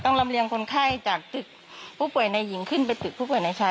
ลำเลียงคนไข้จากตึกผู้ป่วยในหญิงขึ้นไปตึกผู้ป่วยในชาย